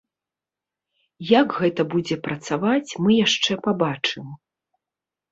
Як гэта будзе працаваць, мы яшчэ пабачым.